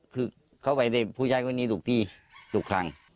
เขาไปที่ผู้ชายคนนี้ทุกที่ทุกครั้ง